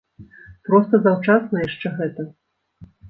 Проста заўчасна яшчэ гэта.